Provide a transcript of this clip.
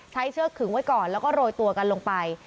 เชือกขึงไว้ก่อนแล้วก็โรยตัวกันลงไป